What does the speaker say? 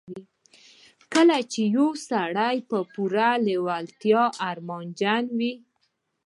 کله چې يو سړی په پوره لېوالتیا ارمانجن وي.